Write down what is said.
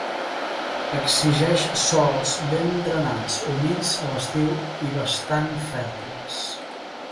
Exigeix sòls ben drenats, humits a l'estiu i bastant fèrtils.